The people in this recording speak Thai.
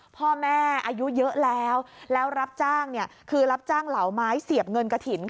พ่อแม่อายุเยอะแล้วแล้วรับจ้างคือรับจ้างเหลาไม้เสียบเงินกระถิ่น